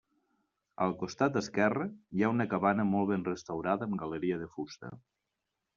Al costat esquerre hi ha una cabana molt ben restaurada amb galeria de fusta.